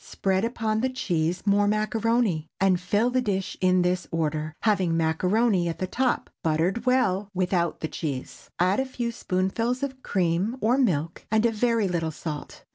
Spread upon the cheese more macaroni, and fill the dish in this order, having macaroni at the top, buttered well, without the cheese. Add a few spoonfuls of cream or milk, and a very little salt.